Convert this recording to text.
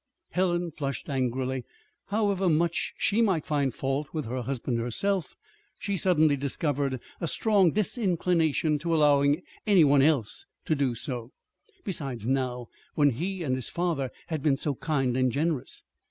Helen flushed angrily. However much she might find fault with her husband herself, she suddenly discovered a strong disinclination to allowing any one else to do so. Besides, now, when he and his father had been so kind and generous